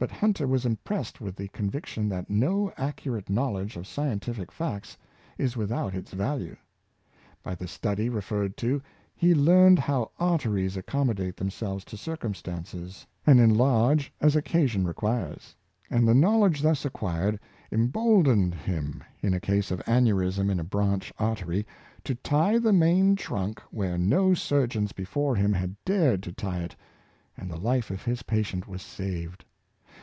But Hunter was impressed with the conviction that no accurate knowl edge of scientific facts is without its value. By the study referred to he learned how arteries accommodate themselves to circumstances, and enlarge as occasion requires; and the knowledge thus acquired emboldened him, in a case of aneurism in a branch artery, to tie the main trunk where no surgeons before him had dared to tie it, and the life of his patient was saved.